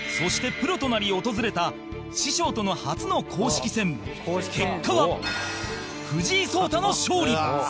プロとなり訪れた師匠との初の公式戦、結果は藤井聡太の勝利